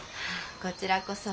こちらこそ。